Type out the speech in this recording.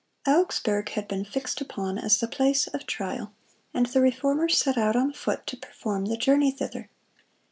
Augsburg had been fixed upon as the place of trial, and the Reformer set out on foot to perform the journey thither.